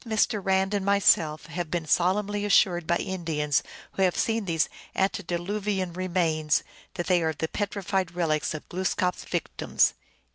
1 Both Mr. Rand and myself have been solemnly assured by Indians who had seen these antediluvian remains that they are the petrified relics of Glooskap s victims.